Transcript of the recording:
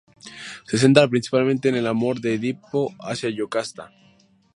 Se centra principalmente en el amor de Edipo hacia Yocasta.